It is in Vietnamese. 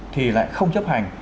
thì lại không chấp hành